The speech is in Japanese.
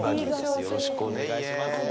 よろしくお願いします